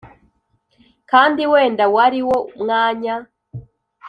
kandi wenda wariwo mwanya